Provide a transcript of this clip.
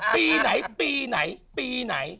ปีไหนปีไหน